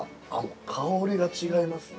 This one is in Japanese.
香りが違いますね。